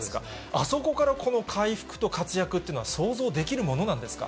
あそこからこの回復と活躍っていうのは、想像できるものなんですか。